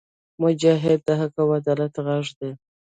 مجاهد د حق او عدالت غږ دی.